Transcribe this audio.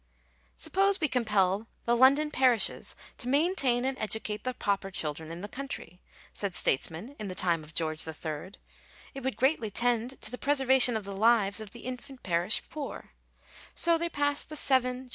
" Suppose we oompel the London parishes to maintain and educate their pauper children in the country," said statesmen in the time of George III; "'it would greatly tend to the preservation of the lives of the infant parish poor:'" so they passed the 7 Geo.